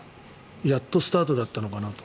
やっとスタートだったのかなと。